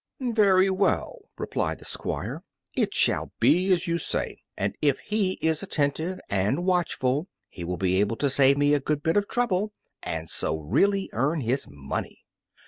"Very well," replied the Squire, "it shall be as you say, and if he is attentive and watchful he will be able to save me a good bit of trouble and so really earn his money."